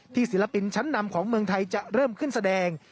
ศิลปินชั้นนำของเมืองไทยจะเริ่มขึ้นแสดง